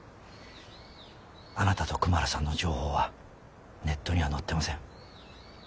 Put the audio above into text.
あなたとクマラさんの情報はネットには載ってません。